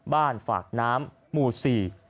บ้านฝากน้ำหมู่สี่